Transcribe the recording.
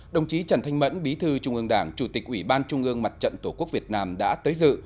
đồng chí trần thanh mẫn bí thư trung ương đảng chủ tịch ủy ban trung ương mặt trận tổ quốc việt nam đã tới dự